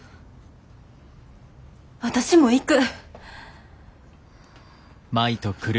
私も行く。